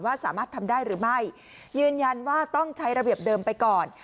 สามารถทำได้หรือไม่ยืนยันว่าต้องใช้ระเบียบเดิมไปก่อน